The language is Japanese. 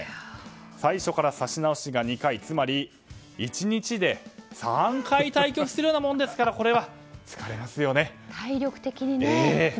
最初から指し直しが２回つまり、１日で３回対局するようなものですから体力的にね。